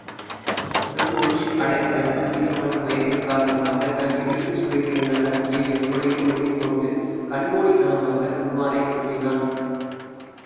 டுன்டுஷ் அடைந்த அதிகமான பயத்தின் காரணமாக, தன் இடுப்பில் சொருகியிருந்த கத்தியை எப்படியோ உருவிக்கொண்டு, கண்மூடித்தனமாக உமாரைக்குத்தினான்.